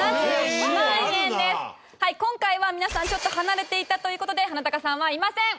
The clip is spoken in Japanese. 今回は皆さんちょっと離れていたという事でハナタカさんはいません！